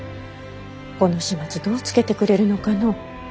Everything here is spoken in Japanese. この始末どうつけてくれるのかの。